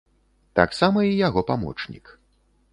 Таксама і яго памочнік.